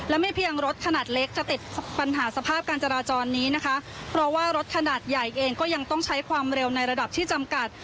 และไม่เพียงรถขนาดเล็กจะติดปัญหาสภาพการจราจรนี้นะคะเพราะว่ารถขนาดใหญ่เองก็ยังต้องใช้ความเร็วในระดับที่จำกัด